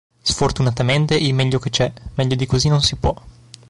Sfortunatamente il meglio che c'è, meglio di così non si può".